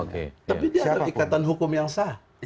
tapi dia ada ikatan hukum yang sah